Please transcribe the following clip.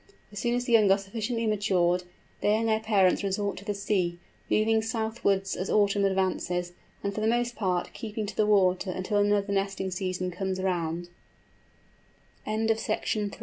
As soon as the young are sufficiently matured, they and their parents resort to the sea, moving southwards as autumn advances, and for the most part keeping to the water until another nesting season com